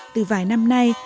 từ vài năm nay